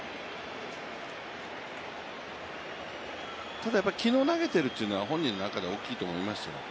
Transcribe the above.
ただ、昨日投げているというのは本人の中では大きいと思いますよ。